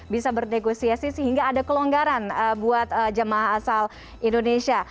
bisa bernegosiasi sehingga ada kelonggaran buat jemaah asal indonesia